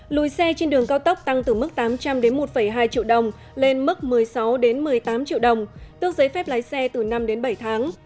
lùi xe trên đường cao tốc tăng từ mức tám trăm linh một hai triệu đồng lên mức một mươi sáu một mươi tám triệu đồng tước giấy phép lái xe từ năm bảy tháng